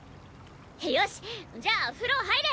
よしじゃあ風呂入れ。